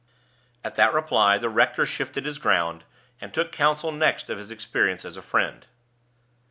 At that reply, the rector shifted his ground, and took counsel next of his experience as a friend.